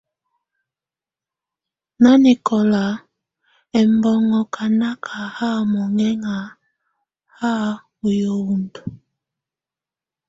Nanɛkɔla ɛmbɔnŋɔ ka naka monŋɛŋa hahs ɔ yəhundə.